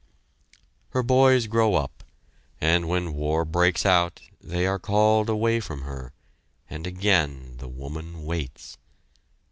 Her boys grow up, and when war breaks out, they are called away from her, and again the woman waits.